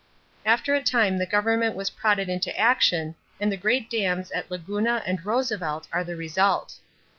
After a time the government was prodded into action and the great dams at Laguna and Roosevelt are the result.